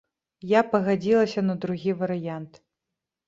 Я пагадзілася на другі варыянт.